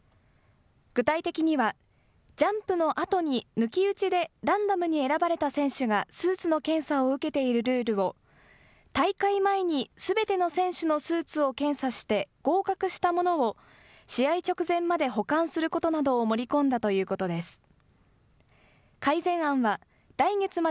具体的には、ジャンプのあとに抜き打ちでランダムに選ばれた選手がスーツの検査を受けているルールを、大会前にすべての選手のスーツを検査して、合格したものを、試合直前まで保管することなどを盛り込んだということです。